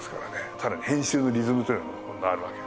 さらに編集のリズムというのもあるわけですよ。